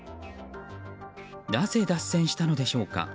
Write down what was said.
なぜ脱線したのでしょうか。